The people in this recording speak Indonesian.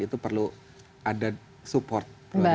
itu perlu ada support